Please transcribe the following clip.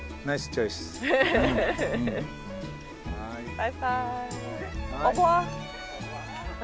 バイバイ。